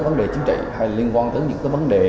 vấn đề chính trị hay liên quan tới những cái vấn đề